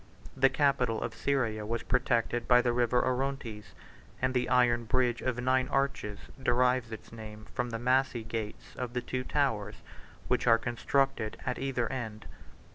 The capital of Syria was protected by the River Orontes; and the iron bridge, 891 of nine arches, derives its name from the massy gates of the two towers which are constructed at either end.